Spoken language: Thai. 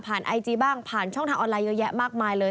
ไอจีบ้างผ่านช่องทางออนไลน์เยอะแยะมากมายเลย